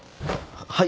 はい。